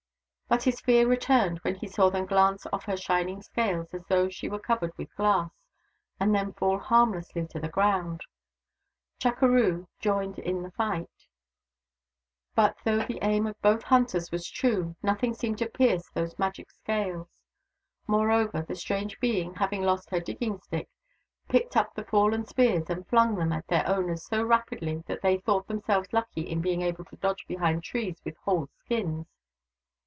But his fear returned when he saw them glance off her shining scales as though she were covered with glass, and then fall harmlessly to the ground. Chukeroo joined in the fight : but though the aim of both hunters was true, nothing seemed to pierce those magic scales. Moreover, the strange being, having lost her digging stick, picked up the fallen spears and flung them at their owners so rapidly that they thought themselves lucky in being able to dodge behind trees with whole skins.